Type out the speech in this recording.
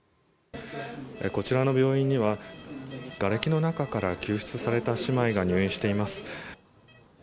こちらの病院にはがれきの中から救出された姉妹が入院しています。